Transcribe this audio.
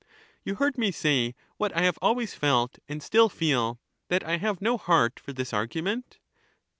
You heard me say what I have always felt and still feel — that I have no heart for this argument